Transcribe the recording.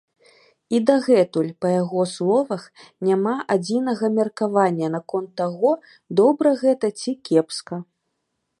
І дагэтуль, па яго словах, няма адзінага меркавання наконт таго, добра гэта ці кепска.